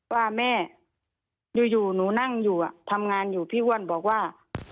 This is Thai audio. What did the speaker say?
ว่าแม่อยู่หนูนั่งอยู่ทำงานอยู่พี่อ้วนบอกว่า